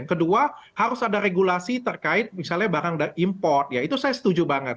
yang kedua harus ada regulasi terkait misalnya barang import ya itu saya setuju banget